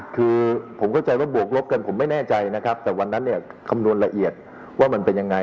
คือผมเข้าใจว่าบวกลบกันผมไม่แน่ใจนะครับแต่วันนั้นเนี่ยคำนวณละเอียดว่ามันเป็นยังไง